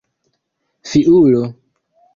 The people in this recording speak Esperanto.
fiulo